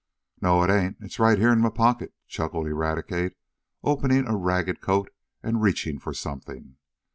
"No, it ain't! it's right yeah in mah pocket," chuckled Eradicate, opening a ragged coat, and reaching for something.